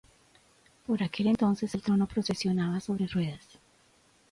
Por aquel entonces el trono procesionaba sobre ruedas.